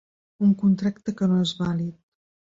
Un contracte que no és vàlid.